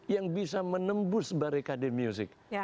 yang bisa menembus barikade musik